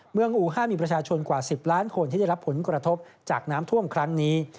อู๕มีประชาชนกว่า๑๐ล้านคนที่ได้รับผลกระทบจากน้ำท่วมครั้งนี้